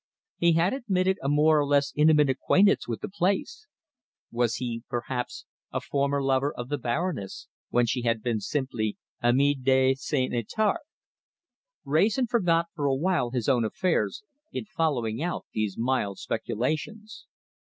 He had admitted a more or less intimate acquaintance with the place: was he, perhaps, a former lover of the Baroness, when she had been simply Amy de St. Étarpe? Wrayson forgot, for a while, his own affairs, in following out these mild speculations.